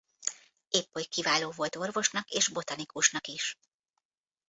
Éppoly kiváló volt orvosnak és botanikusnak is.